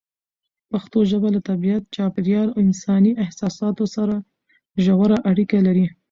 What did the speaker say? پښتو ژبه له طبیعت، چاپېریال او انساني احساساتو سره ژوره اړیکه لري.